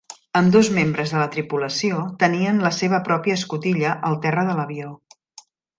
Ambdós membres de la tripulació tenien la seva pròpia escotilla al terra de l'avió.